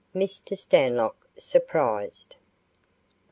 MR. STANLOCK SURPRISED.